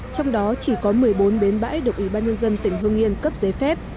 trong đó chỉ có một mươi bốn bến bãi được ủy ban nhân dân tỉnh hương yên cấp giấy phép